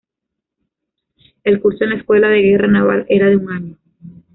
El curso en la Escuela de Guerra Naval era de un año.